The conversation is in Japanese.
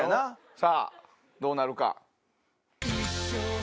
さぁどうなるか？